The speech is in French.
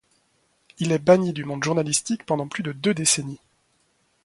Il est banni du monde journalistique pendant plus de deux décennies.